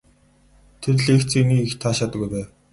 Тэр лекцийг нэг их таашаадаггүй байв.